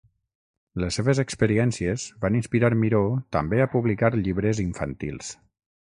Les seves experiències van inspirar Miró també a publicar llibres infantils.